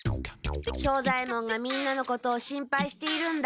庄左ヱ門がみんなのことを心配しているんだ。